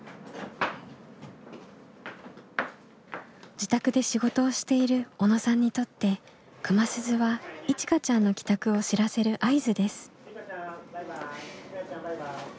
自宅で仕事をしている小野さんにとって熊鈴はいちかちゃんの帰宅を知らせる合図です。